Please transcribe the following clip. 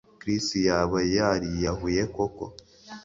Chris yaba yariyahuye koko